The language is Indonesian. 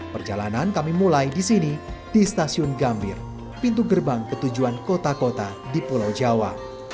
perjalanan kami mulai di sini di stasiun gambir pintu gerbang ketujuan kota kota di pulau jawa